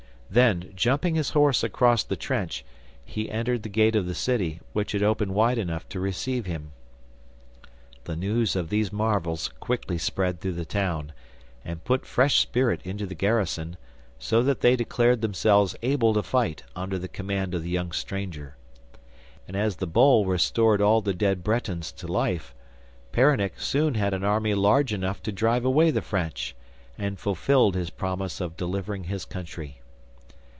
Then, jumping his horse across the trench, he entered the gate of the city, which had opened wide enough to receive him. The news of these marvels quickly spread through the town, and put fresh spirit into the garrison, so that they declared themselves able to fight under the command of the young stranger. And as the bowl restored all the dead Bretons to life, Peronnik soon had an army large enough to drive away the French, and fulfilled his promise of delivering his country.